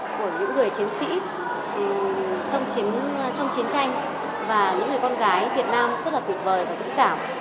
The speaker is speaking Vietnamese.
của những người chiến sĩ trong chiến tranh và những người con gái việt nam rất là tuyệt vời và dũng cảm